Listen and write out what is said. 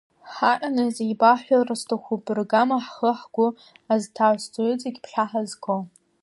Ҳаҟанаҵ, иеибаҳҳәалар сҭахуп аргама ҳхы-ҳгәы азҭазҵо, иҵегь ԥхьа ҳазго…